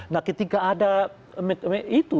nah ketika ada itu